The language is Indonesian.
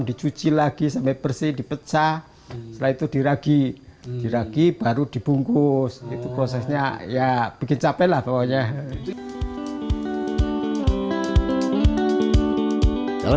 dicuci lagi sampai bersih dipecah setelah itu diragi diragi baru dibungkus itu prosesnya ya bikin capek lah pokoknya itu prosesnya ya bikin capek lah pokoknya ya bikin capek lah pokoknya